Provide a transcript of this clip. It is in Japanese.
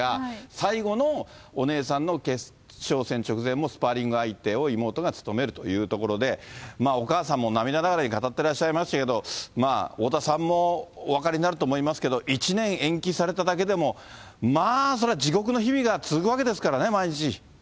最後のお姉さんの決勝戦直前もスパーリング相手を妹が務めるというところで、お母さんも涙ながらに語ってらっしゃいましたけど、太田さんもお分かりになると思いますけど、１年延期されただけでも、まあそれは、地獄の日々が続くわけですからね、毎日。